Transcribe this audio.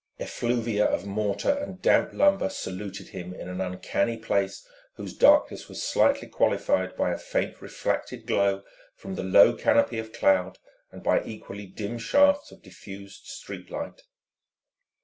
Effluvia of mortar and damp lumber saluted him in an uncanny place whose darkness was slightly qualified by a faint refracted glow from the low canopy of cloud and by equally dim shafts of diffused street light.